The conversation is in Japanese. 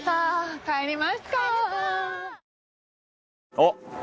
あっ！